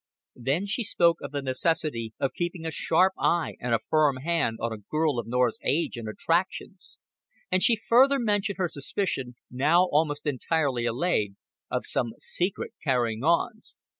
Then she spoke of the necessity of keeping a sharp eye and a firm hand on a girl of Norah's age and attractions; and she further mentioned her suspicion, now almost entirely allayed, of some secret carryings on.